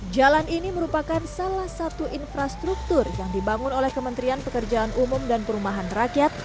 jalan ini merupakan salah satu infrastruktur yang dibangun oleh kementerian pekerjaan umum dan perumahan rakyat